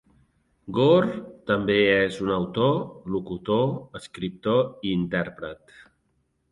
Gorr també és un autor, locutor, escriptor i intèrpret.